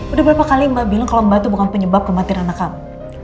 udah berapa kali mbak bilang kalau mbak itu bukan penyebab kematian anak kamu